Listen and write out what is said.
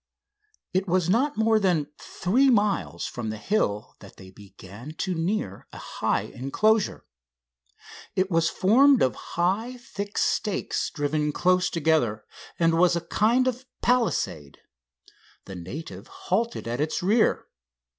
It was not more than three miles from the hill that they began to near a high enclosure. It was formed of high, thick stakes driven close together, and was a kind of palisade. The native halted at its rear.